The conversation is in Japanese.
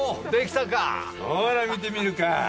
ほら見てみるか？